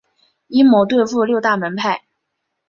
阴谋对付六大门派。